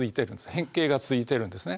変形が続いてるんですね。